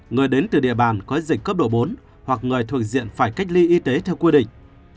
người đến từ địa bàn có dịch cấp độ bốn hoặc người thuộc diện phải cách ly y tế theo quy định